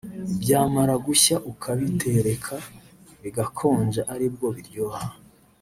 byamara gushya ukabitereka bigakonja aribwo biryoha